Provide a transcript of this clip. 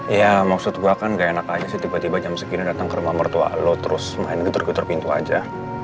ya maksud gue kan gak enak aja sih tiba tiba jam segini datang ke rumah mertua lo terus main getar getar pintu aja